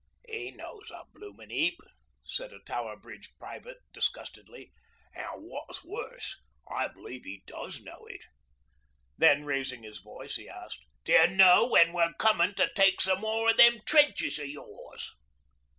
''E knows a bloomin' heap,' said a Tower Bridge private disgustedly; 'an' wot's more, I believe 'e does know it.' Then, raising his voice, he asked, 'Do you know when we're comin' to take some more of them trenches o' yours?'